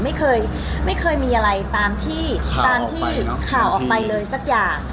ไม่เคยมีอะไรตามที่ข่าวออกไปเลยสักอย่าง